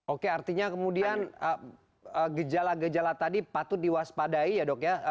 oke artinya kemudian gejala gejala tadi patut diwaspadai ya dok ya